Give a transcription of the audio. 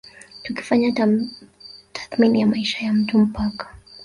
Tukifanya tathmini ya maisha ya mtu mpaka